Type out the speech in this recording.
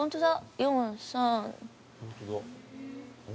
４、３。